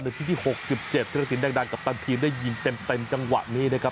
หนึ่งทีที่หกสิบเจ็บเทราะสินดังดังกับตันทีมได้ยินเต็มจังหวะนี้นะครับ